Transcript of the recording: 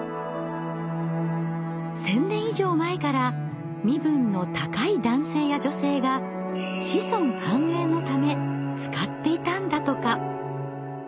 １，０００年以上前から身分の高い男性や女性が子孫繁栄のため使っていたんだとか。